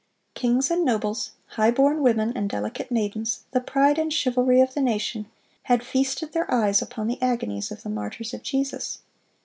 King and nobles, high born women and delicate maidens, the pride and chivalry of the nation, had feasted their eyes upon the agonies of the martyrs of Jesus.